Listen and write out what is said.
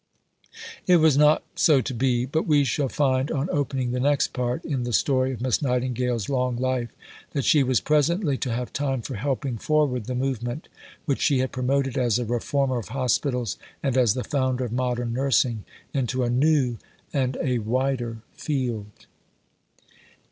It was not so to be. But we shall find, on opening the next Part in the story of Miss Nightingale's long life, that she was presently to have time for helping forward the movement, which she had promoted as a Reformer of Hospitals and as the Founder of Modern Nursing, into a new and a wider field.